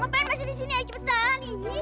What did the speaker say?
kamu ngapain masih disini ayo cepetan